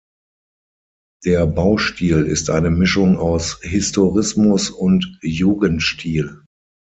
Der Baustil ist eine Mischung aus Historismus und Jugendstil.